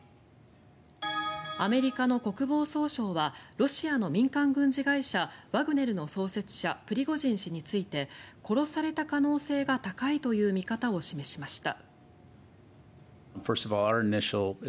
アメリカの国防総省はロシアの民間軍事会社ワグネルの創設者、プリゴジン氏について殺された可能性が高いという見方を示しました。